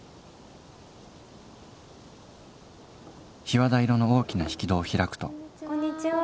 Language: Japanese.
檜皮色の大きな引き戸を開くとこんにちは。